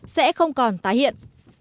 sẽ không còn tái hiện